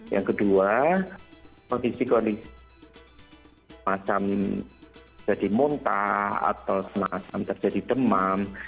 yang kedua kondisi kondisi semacam jadi muntah atau semacam terjadi demam